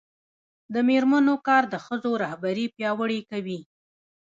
د میرمنو کار د ښځو رهبري پیاوړې کوي.